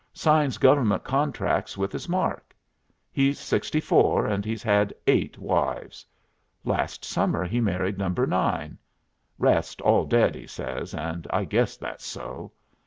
Signs government contracts with his mark. He's sixty four, and he's had eight wives. Last summer he married number nine rest all dead, he says, and I guess that's so.